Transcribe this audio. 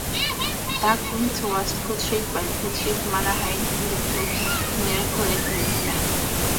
Duckwitz was portrayed by Patrick Malahide in the film "Miracle at Midnight".